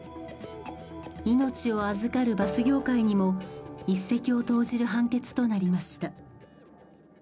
命を預かるバス業界にも一石を投じる判決となりました。